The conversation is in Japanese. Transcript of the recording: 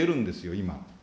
今。